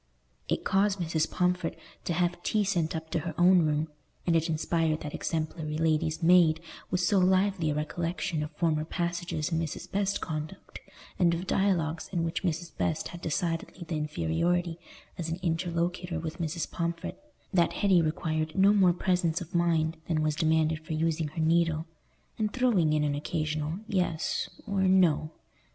It caused Mrs. Pomfret to have tea sent up to her own room, and it inspired that exemplary lady's maid with so lively a recollection of former passages in Mrs. Best's conduct, and of dialogues in which Mrs. Best had decidedly the inferiority as an interlocutor with Mrs. Pomfret, that Hetty required no more presence of mind than was demanded for using her needle, and throwing in an occasional "yes" or "no."